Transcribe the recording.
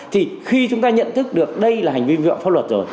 thì khi chúng ta nhận thức được đây là hành vi vi phạm pháp luật rồi